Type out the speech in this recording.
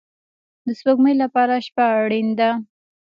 د سپوږمۍ لپاره شپه اړین ده